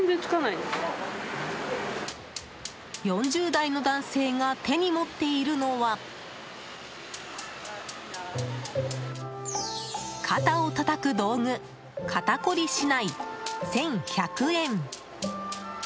４０代の男性が手に持っているのは肩をたたく道具肩こりシナイ、１１００円。